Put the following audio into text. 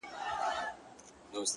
• شپه پخه سي چي ویدېږم غزل راسي,